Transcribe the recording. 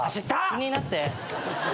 気になって。